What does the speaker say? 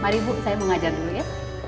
mari bu saya mengajar dulu ya